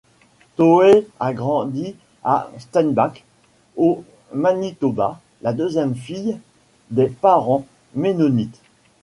Toews a grandi à Steinbach, au Manitoba, la deuxième fille des parents mennonites.